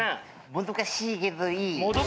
「もどかしいけどいい」。